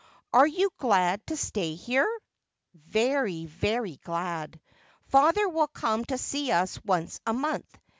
' Are you glad to stay here ?'' Very, very glad. Father will come to see us once a month.